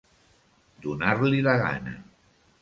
Donar-li la gana.